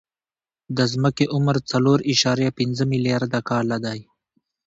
د ځمکې عمر څلور اعشاریه پنځه ملیارده کاله دی.